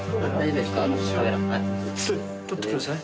撮ってください。